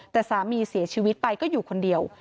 แต่สามีเสียชีวิตไปก็อยู่คนเดียว